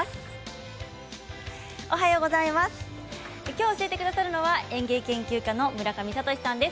きょう教えてくださるのは園芸研究家の村上敏さんです。